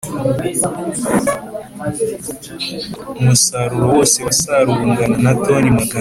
Umusaruro wose wasaruwe ungana na toni Magana ane